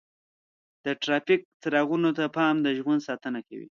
د ټرافیک څراغونو ته پام د ژوند ساتنه ده.